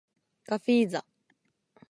ガフィーザ